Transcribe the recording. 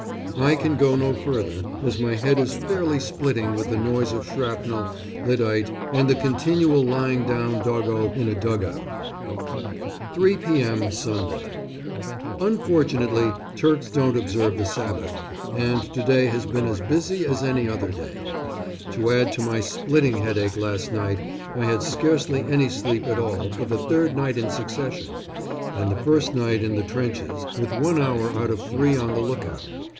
I can go no further, as my head is fairly splitting with the noise of shrapnel, lyddite, and the continual lying down doggo in a dug out. 3 p.m., Sunday. Unfortunately Turks don't observe the Sabbath, and to day has been as busy as any other day. To add to my splitting headache last night, I had scarcely any sleep at all for the third night in succession and the first night in the trenches, with one hour out of three on the look out.